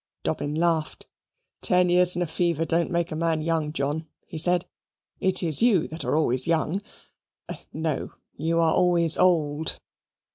Dobbin laughed. "Ten years and a fever don't make a man young, John," he said. "It is you that are always young no, you are always old."